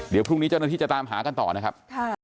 เดี๋ยวพรุ่งนี้เจ้าหน้าที่จะตามหากันต่อนะครับ